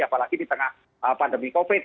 apalagi di tengah pandemi covid